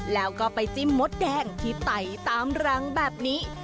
แล้วก็ไปจิ้มมดแดงที่ไต่ตามรังแบบนี้